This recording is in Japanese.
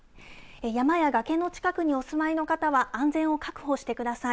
山や崖の近くにお住まいの方は安全を確保してください。